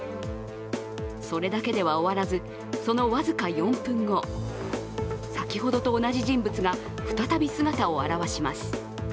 それだけでは終わらず、その僅か４分後先ほどと同じ人物が再び姿を現します。